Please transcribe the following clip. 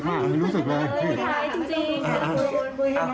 ขอบคุณพี่ไทยที่ขอบคุณพี่ไทย